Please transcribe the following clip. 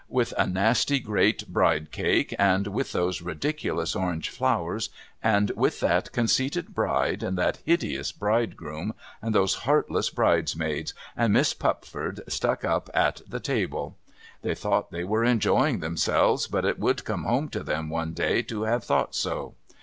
With a nasty great bride cake, and with those ridiculous orange flowers, and with that conceited bride, and that hideous bridegroom, and those heartless bridesmaids, and Miss Pupford stuck up at the table ! They thought they were enjoying themselves, but it would come home to them one day to have thought so.